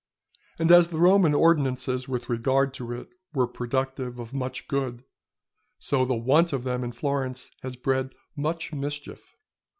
And as the Roman ordinances with regard to it were productive of much good, so the want of them in Florence has bred much mischief.